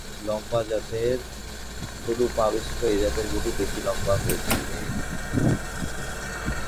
লম্বা সরু পা বিশিষ্ট এ জাতের গরু বেশ লম্বা হয়ে থাকে।